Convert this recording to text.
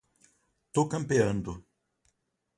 Tô campeando